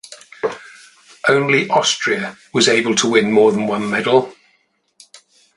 Only Austria was able to win more than one medal.